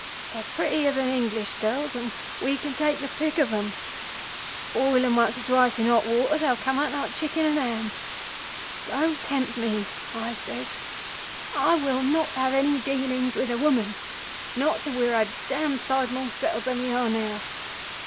They're prettier than English girls, and we can take the pick of 'em. Boil 'em once or twice in hot water, and they'll come as fair as chicken and ham.' "'Don't tempt me!' I says. 'I will not have any dealings with a woman not till we are a dam' side more settled than we are now.